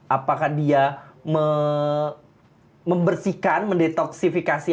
apakah dia membersihkan mendetoksifikasi